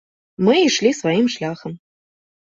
Мы ішлі сваім шляхам.